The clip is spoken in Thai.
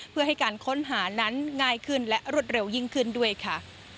เพื่อให้การค้นหานั้นง่ายขึ้นและรวดเร็วยิ่งขึ้นด้วยค่ะ